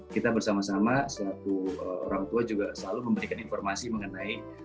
kita bersama sama selaku orang tua juga selalu memberikan informasi mengenai